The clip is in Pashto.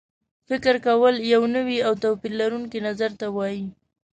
فکر کول یو نوي او توپیر لرونکي نظر ته وایي.